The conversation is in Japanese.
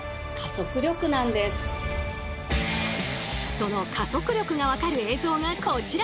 その加速力が分かる映像がこちら。